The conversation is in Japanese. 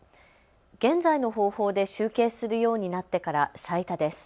現在の方法で集計するようになってから最多です。